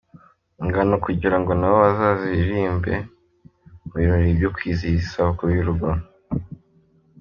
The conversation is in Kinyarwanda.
ingano kugira ngo nabo bazaririmbe mu birori byo kwizihiza isabukuru yurugo.